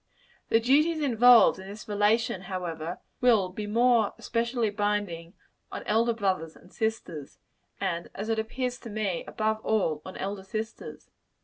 The duties involved in this relation, however, will be more especially binding on elder brothers and sisters; and as it appears to me, above all, on elder sisters.